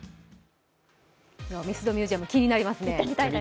ミスドミュージアム、気になりますね。